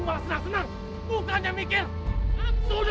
kau selalu ganggu binikku nih